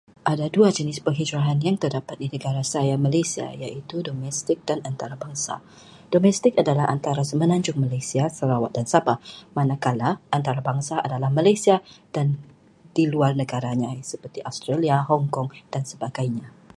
Ada dua jenis penghijrahan yang terdapat di negara saya, Malaysia, iaitu domestik dan antarabangsa. Domestik adalah antara semenanjung Malaysia, Sarawak dan Sabah, manakala antarabangsa adalah antara Malaysia dan di luar negara seperti Australia, Hong Kong dan sebagainya.